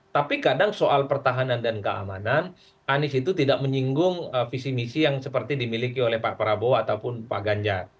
tapi kadang soal pertahanan dan keamanan anies itu tidak menyinggung visi misi yang seperti dimiliki oleh pak prabowo ataupun pak ganjar